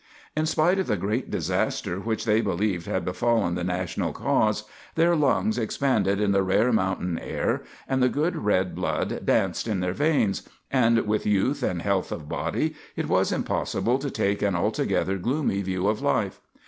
In spite of the great disaster which they believed had befallen the National cause, their lungs expanded in the rare mountain air, and the good red blood danced in their veins, and with youth and health of body it was impossible to take an altogether gloomy view of life.